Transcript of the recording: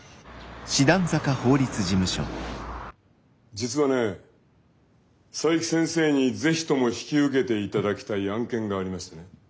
実はね佐伯先生に是非とも引き受けていただきたい案件がありましてね。